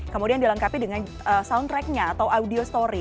kemudian dilengkapi dengan soundtracknya atau audio story